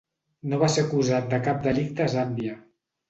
No va ser acusat de cap delicte a Zàmbia.